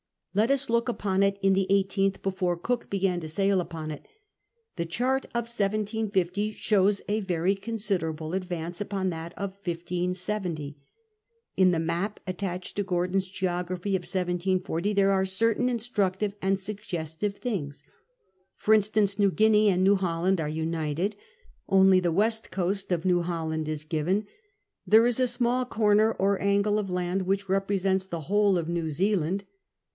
Let us look at it in the eighteenth before Cook began to sail upon it. The chart of 1750 shows a very cousideralde advance upon that of 1570. In the map attached to Coi'don's Geography of 1740 there are certjiiu instructive and sug gestive things. For instance. New Guinea and New Holland are united. Only the west coast of New Holland is given ; there is a small corner or angle of land which 1 'cpresents the whole of New Zealand.